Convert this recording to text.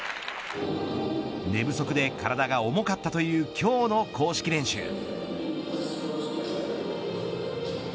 寝不足で体が重かったという今日の公式練習。